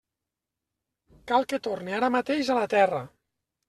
Cal que torne ara mateix a la Terra.